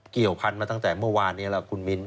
เกี่ยวพันธุ์มาตั้งแต่เมื่อวานนี้แล้วคุณมิ้น